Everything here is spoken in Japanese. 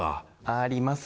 あります。